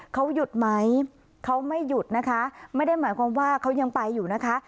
เขาหยุดไหมเขาไม่หยุดนะคะไม่ได้หมายความว่าเขายังไปอยู่นะคะ